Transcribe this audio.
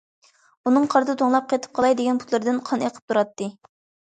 ئۇنىڭ قاردا توڭلاپ قېتىپ قالاي دېگەن پۇتلىرىدىن قان ئېقىپ تۇراتتى.